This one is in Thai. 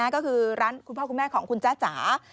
ก็คือร้านคุณพ่อคุณแม่ของคุณจ้าจ๋า